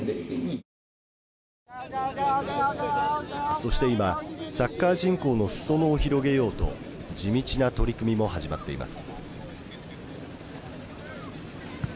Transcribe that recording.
そして今サッカー人口の裾野を広げようと地道な取り組みも始まっています。